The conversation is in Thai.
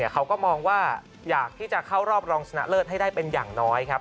เขาก็มองว่าอยากที่จะเข้ารอบรองชนะเลิศให้ได้เป็นอย่างน้อยครับ